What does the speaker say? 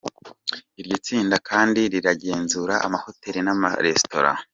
Iryo tsinda kandi riragenzura amahoteli n’amaresitora.